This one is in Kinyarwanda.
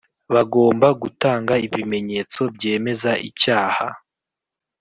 bagomba gutanga ibimenyetso byemeza icyaha